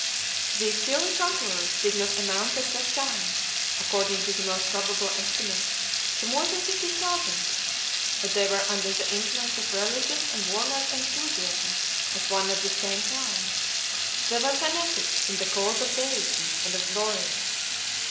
These fiery conquerors did not amount at that time, according to the most probable estimates, to more than fifty thousand; but they were under the influence of religious and warlike enthusiasm at one and the same time; they were fanatics in the cause of Deism and of glory.